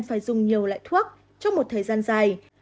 phải dùng nhiều loại thuốc trong một thời gian dài